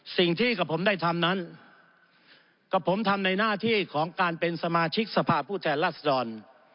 สิ่งที่กับผมได้ทำนั้นกับผมทำในหน้าที่ของการเป็นสมาชิกสภาพผู้แทนรัศดร